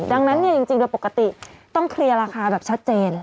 ดังนั้นเนี่ยจริงโดยปกติต้องเคลียร์ราคาแบบชัดเจน